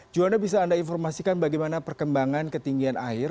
juanda bisa anda informasikan bagaimana perkembangan ketinggian air